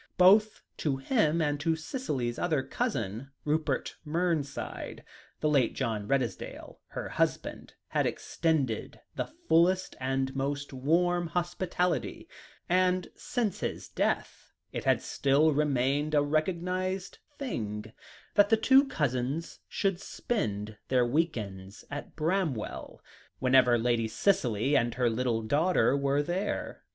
Both to him and to Cicely's other cousin, Rupert Mernside the late John Redesdale, her husband, had extended the fullest and most warm hospitality; and since his death, it had still remained a recognised thing that the two cousins should spend their weekends at Bramwell, whenever Lady Cicely and her little daughter were there.